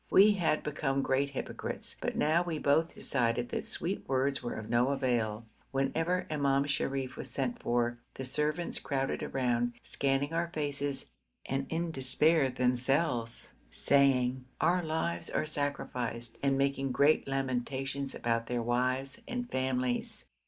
We had become great hypocrites, but now we both decided that sweet words were of no avail. Whenever Imam Sharif was sent for, the servants crowded round, scanning our faces, and in despair themselves, saying 'our lives are sacrificed,' and making great lamentations about their wives and families.